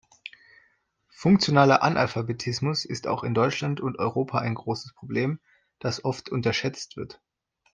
Funktionaler Analphabetismus ist auch in Deutschland und Europa ein großes Problem, das oft unterschätzt wird.